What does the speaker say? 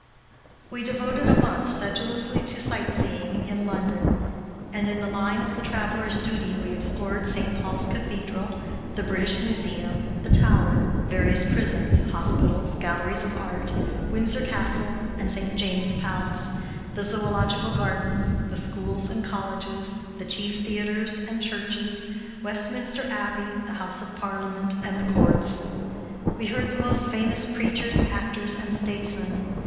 We devoted a month sedulously to sightseeing in London, and, in the line of the traveler's duty, we explored St. Paul's Cathedral, the British Museum, the Tower, various prisons, hospitals, galleries of art, Windsor Castle, and St. James's Palace, the Zoological Gardens, the schools and colleges, the chief theaters and churches, Westminster Abbey, the Houses of Parliament, and the Courts. We heard the most famous preachers, actors, and statesmen.